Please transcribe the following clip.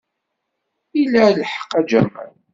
Ila lḥeqq, a Jamal.